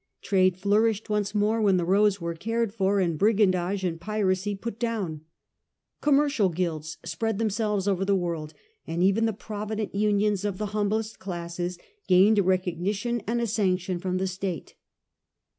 Trade flourished once more when the roads were cared for and brigandage and piracy put 192 The Earlier Empire. down. Commercial guilds spread themselves over the world, and even the provident unions of the humblest classes gained a recognition and a sanction from the state.